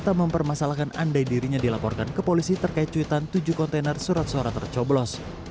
tak mempermasalahkan andai dirinya dilaporkan ke polisi terkait cuitan tujuh kontainer surat suara tercoblos